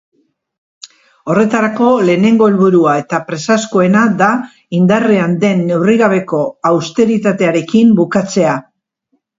Horretarako, lehenengo helburua eta presazkoena da, indarrean den neurrigabeko austeritatearekin bukatzea.